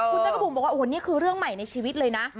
คุณจักรบุ๋มบอกว่าโอ้โหนี่คือเรื่องใหม่ในชีวิตเลยนะ